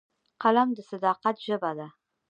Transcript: قلم د صداقت ژبه ده